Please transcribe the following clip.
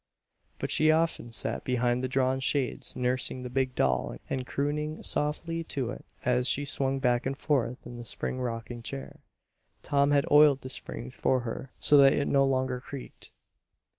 But she often sat behind the drawn shades nursing the big doll and crooning softly to it as she swung back and forth in the spring rocking chair. Tom had oiled the springs for her so that it no longer creaked.